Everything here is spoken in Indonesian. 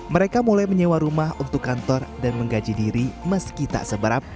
mereka mulai menyewa rumah untuk kantor dan menggaji diri meski tak sebarap